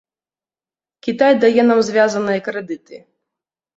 Кітай дае нам звязаныя крэдыты.